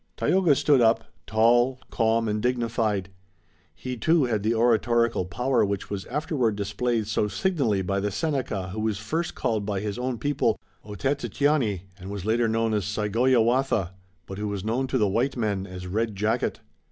Tayoga stood up, tall, calm and dignified. He too had the oratorical power which was afterward displayed so signally by the Seneca who was first called by his own people Otetiani and was later known as Sagoyewatha, but who was known to the white men as Red Jacket.